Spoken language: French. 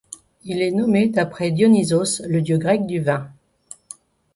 Il est nommé d'après Dionysos, le dieu grec du vin.